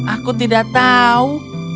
aku tidak tahu